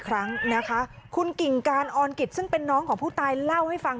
ครั้งนะคะคุณกิ่งการออนกิจซึ่งเป็นน้องของผู้ตายเล่าให้ฟัง